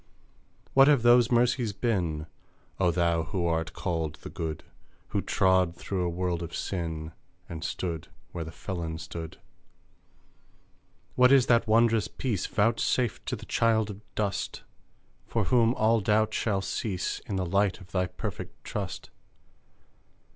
What have those mercies been, O thou who art called the Good? Who trod through a world of sin, And stood where the felon stood What is that wondrous peace Vouchsafed to the child of dust For whom all doubt shall cease In the light of thy perfect trust?